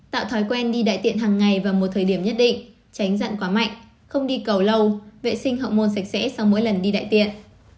tạo thói quen đi đại tiện hàng ngày vào một thời điểm nhất định tránh dặn quá mạnh không đi cầu lâu vệ sinh học môn sạch sẽ sau mỗi lần đi đại tiện